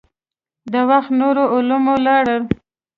د وخت نورو علومو لاره.